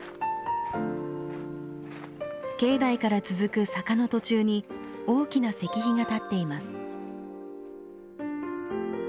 境内から続く坂の途中に大きな石碑が立っています。